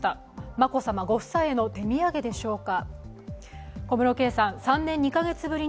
眞子さまご夫妻への手土産でしょうか。